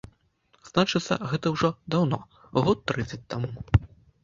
Значыцца, гэта ўжо даўно, год трыццаць таму.